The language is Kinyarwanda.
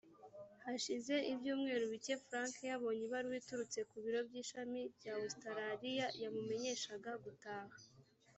hashize ibyumweru bike frank yabonye ibaruwa iturutse ku biro by’ishami bya ositaraliya yamumenyeshaga gutaha